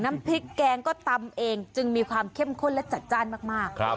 น้ำพริกแกงก็ตำเองจึงมีความเข้มข้นและจัดจ้านมาก